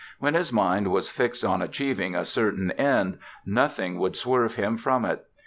When his mind was fixed on achieving a certain end nothing would swerve him from it.